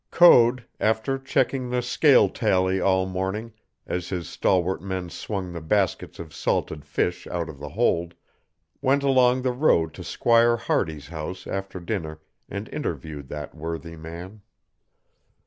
Code, after checking the scale tally all morning as his stalwart men swung the baskets of salted fish out of the hold, went along the road to Squire Hardy's house after dinner and interviewed that worthy man.